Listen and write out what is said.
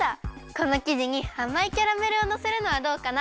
このきじにあまいキャラメルをのせるのはどうかな？